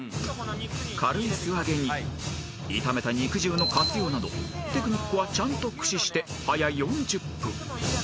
［軽い素揚げに炒めた肉汁の活用などテクニックはちゃんと駆使してはや４０分］